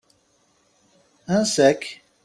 Ansa-k?